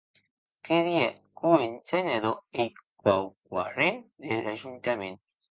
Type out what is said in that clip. Credie qu’un senador ei quauquarren der Ajuntament.